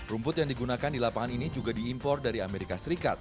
rumput yang digunakan di lapangan ini juga diimpor dari amerika serikat